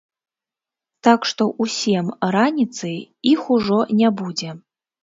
Так што ў сем раніцы іх ужо не будзе.